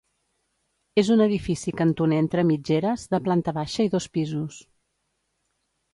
És un edifici cantoner entre mitgeres, de planta baixa i dos pisos.